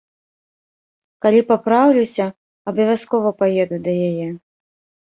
Калі папраўлюся, абавязкова паеду да яе.